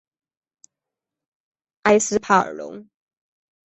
埃斯帕尔龙。